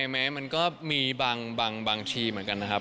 แม้มันก็มีบางทีเหมือนกันนะครับ